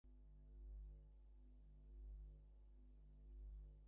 এ বিষয়ে তাঁদের সর্বদাই সাবধান থাকতে হবে।